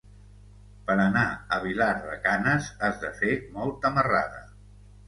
Per anar a Vilar de Canes has de fer molta marrada.